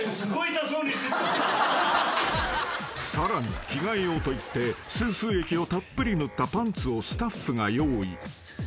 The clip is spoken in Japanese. ［さらに着替え用といってスースー液をたっぷり塗ったパンツをスタッフが用意］